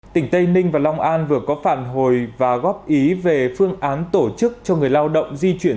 tỉnh tây ninh và long an vừa có phản hồi và góp ý về phương án tổ chức cho người lao động di chuyển